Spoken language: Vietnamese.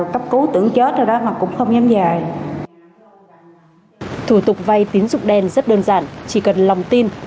thủ tục vay tín dụng đen rất đơn giản chỉ cần lòng tin